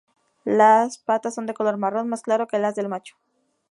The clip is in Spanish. Las patas son de color marrón más claro que las del macho.